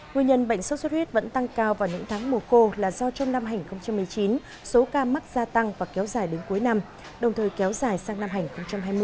nguyên nhân bệnh sốt xuất huyết vẫn tăng cao vào những tháng mùa khô là do trong năm hai nghìn một mươi chín số ca mắc gia tăng và kéo dài đến cuối năm đồng thời kéo dài sang năm hành hai mươi